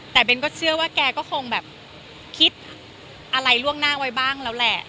แต่เบนก็เชื่อว่าแกก็คงแบบคิดอะไรล่วงหน้าไว้บ้างแล้วแหละ